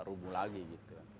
rubuh lagi gitu